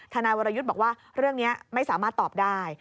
นายวรยุทธ์บอกว่าเรื่องนี้ไม่สามารถตอบได้